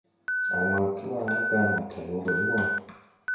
A wãã keɓaa la ga na tay wo ni waŋ.